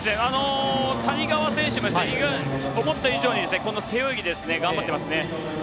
谷川選手も思った以上に背泳ぎ頑張っていますね。